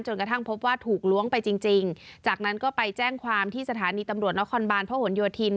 กระทั่งพบว่าถูกล้วงไปจริงจริงจากนั้นก็ไปแจ้งความที่สถานีตำรวจนครบาลพระหลโยธิน